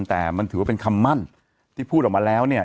แต่มันถือว่าเป็นคำมั่นที่พูดออกมาแล้วเนี่ย